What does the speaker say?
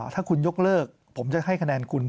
ถ้าคุณยกเลิกผมจะให้คะแนนคุณ